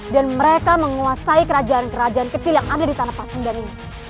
dan mereka menguasai kerajaan kerajaan kecil yang ada di tanah pasundan ini